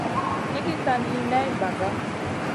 Nʼiigui tani ney ɓaga.